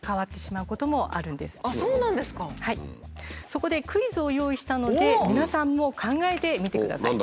そこでクイズを用意したので皆さんも考えてみてください。